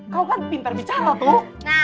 kau kan pintar bicara tuh